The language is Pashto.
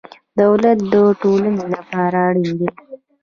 دولت د ټولنو لپاره اړین دی.